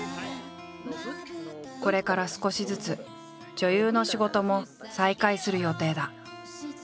これから少しずつ女優の仕事も再開する予定だ。